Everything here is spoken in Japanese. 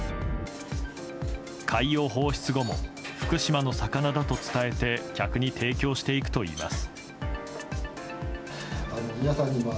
海洋放出後も福島の魚だと伝えて客に提供していくといいます。